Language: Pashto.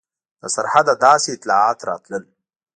د سرحده داسې اطلاعات راتلل.